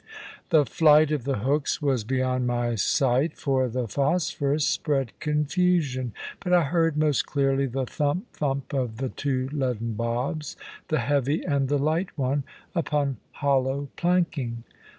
The flight of the hooks was beyond my sight, for the phosphorus spread confusion; but I heard most clearly the thump, thump of the two leaden bobs the heavy and the light one upon hollow planking.